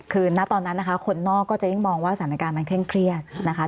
คือณตอนนั้นนะคะคนนอกก็จะยิ่งมองว่าสถานการณ์มันเคร่งเครียดนะคะ